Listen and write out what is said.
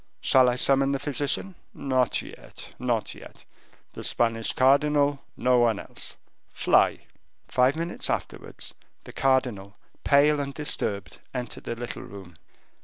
"Shall I summon the physician?" "Not yet, not yet... the Spanish cardinal, no one else. Fly." Five minutes afterwards, the cardinal, pale and disturbed, entered the little room.